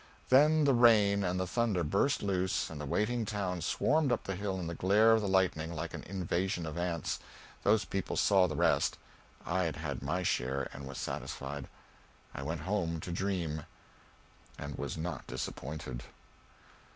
Then the rain and the thunder burst loose and the waiting town swarmed up the hill in the glare of the lightning like an invasion of ants. Those people saw the rest; I had had my share and was satisfied. I went home to dream, and was not disappointed.